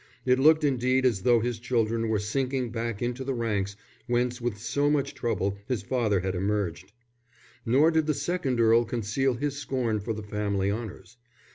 It looked indeed as though his children were sinking back into the ranks whence with so much trouble his father had emerged. Nor did the second Earl conceal his scorn for the family honours.